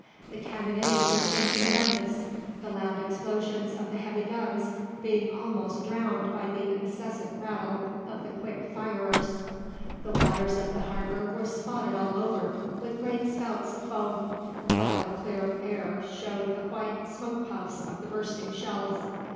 The cannonade became tremendous, the loud explosions of the heavy guns being almost drowned by the incessant rattle of the quick firers; the waters of the harbour were spotted all over with great spouts of foam, while the clear air showed the white smoke puffs of the bursting shells.